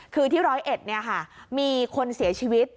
คือที่ร้อยเอ็ดเนี่ยค่ะมีคนเสียชีวิต